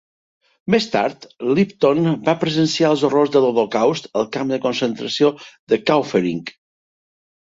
Més tard, Lipton va presenciar els horrors de l'Holocaust al camp de concentració de Kaufering.